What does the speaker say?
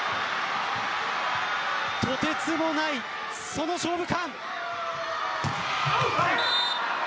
とてつもない、その勝負勘。